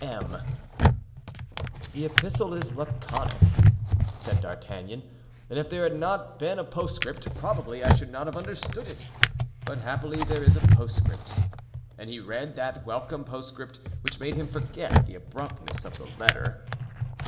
M——." "The epistle is laconic," said D'Artagnan; "and if there had not been a postscript, probably I should not have understood it; but happily there is a postscript." And he read that welcome postscript, which made him forget the abruptness of the letter.